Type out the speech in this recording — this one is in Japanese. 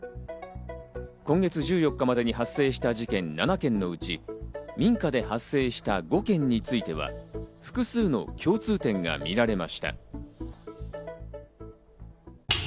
今月１４日までに発生した事件７件のうち、民家で発生した５件については、複数の共通点が見られました。